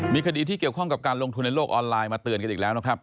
มีคดีที่เกี่ยวข้องกับการลงทุนในโลกออนไลน์มาเตือนกันอีกแล้วนะครับ